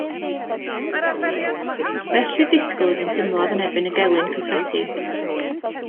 Fe ellir disgwyl iddynt ymladd yn erbyn y gelyn cyffredin.